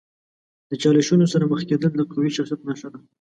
د چالشونو سره مخ کیدل د قوي شخصیت نښه ده.